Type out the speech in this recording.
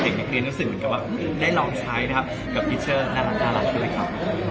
เด็กนักเรียนรู้สึกเหมือนกับว่าได้ลองใช้นะครับกับพิชเชอร์น่ารักด้วยครับ